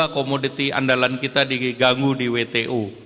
dua commodity andalan kita diganggu di wto